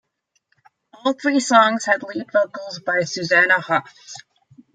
All three songs had lead vocals by Susanna Hoffs.